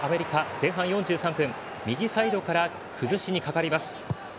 前半４３分右サイドから崩しにかかります。